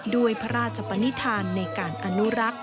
ด้วยพระราชปนิษฐานในการอนุรักษ์